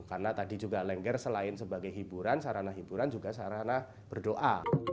karena tadi juga lengger selain sebagai hiburan sarana hiburan juga sarana berdoa